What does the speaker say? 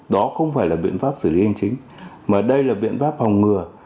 đó không phải là biện pháp xử lý hành chính mà đây là biện pháp phòng ngừa